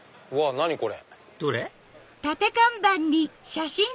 何これ？